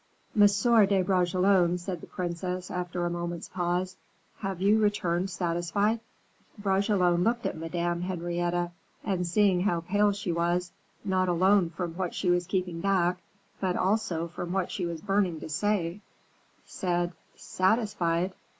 "Monsieur de Bragelonne," said the princess, after a moment's pause, "have you returned satisfied?" Bragelonne looked at Madame Henrietta, and seeing how pale she was, not alone from what she was keeping back, but also from what she was burning to say, said: "Satisfied!